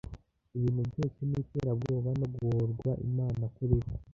ibintu byose ni iterabwoba no guhorwa imana kuri bo